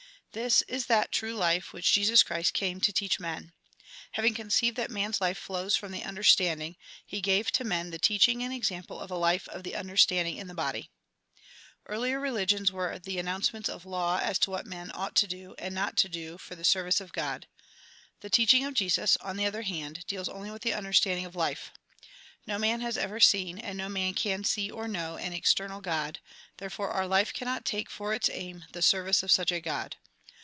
This is that true life which Jesus Christ came to teach to men. Having con ceived that man's life flows from the understanding, he gave to men the teaching and example of a life of the understanding in the body. Earlier religions were the announcements of law as to what men ought to do, and not to do, for the 157 iS8 THE GOSPEL IN BRIEF service of God. The teaching of Jesus, on the other hand, deals only with the understanding of life. No man has ever seen, and no man can see or know, an external God ; therefore our life cannot take for its aim the service of such a God.